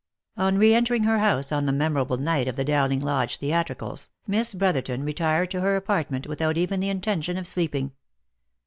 On re entering her house on the memorable night of the Dowling Lodge theatricals, Miss Brotherton retired to her apartment without even the intention of sleeping.